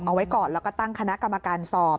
เอาไว้ก่อนแล้วก็ตั้งคณะกรรมการสอบ